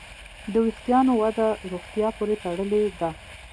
د وېښتیانو وده روغتیا پورې تړلې ده.